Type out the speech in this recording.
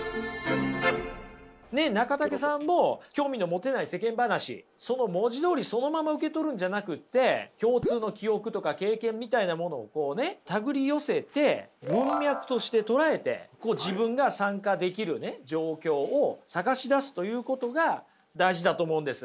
中武さんも興味の持てない世間話文字どおりそのまま受けとるんじゃなくて共通の記憶とか経験みたいなものを手繰り寄せて文脈として捉えて自分が参加できる状況を探し出すということが大事だと思うんです。